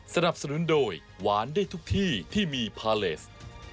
สนับสนุนโดยหวานได้ทุกที่ที่มีพาเลส